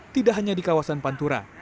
tidak hanya di kawasan pantura